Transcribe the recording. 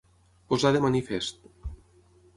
Posar de manifest.